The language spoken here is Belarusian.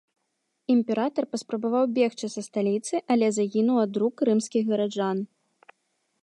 Імператар паспрабаваў бегчы са сталіцы, але загінуў ад рук рымскіх гараджан.